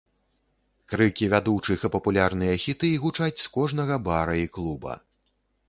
Крыкі вядучых і папулярныя хіты гучаць з кожнага бара і клуба.